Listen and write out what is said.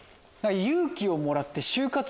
勇気をもらって。